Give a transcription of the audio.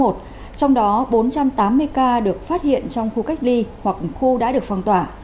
trong đó bốn trăm tám mươi ca được phát hiện trong khu cách ly hoặc khu đã được phong tỏa